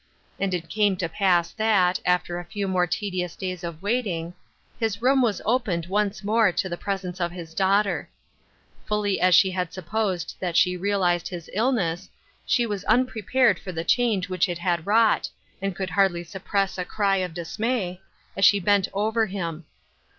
And it came to pass that, after a few more tedious days of waiting, his room was opened once more to the presence of his daughter. Fully as she had supposed that she realized his illness, she was unprepared for the change which it had wrought, and could hai'dly suppress a cjy of dismay as she bent over « Through a Glass, DarUyr 219 him.